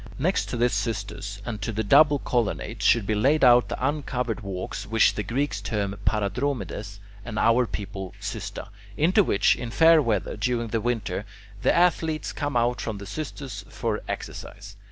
Next to this "xystus" and to the double colonnade should be laid out the uncovered walks which the Greeks term [Greek: paradromides] and our people "xysta," into which, in fair weather during the winter, the athletes come out from the "xystus" for exercise.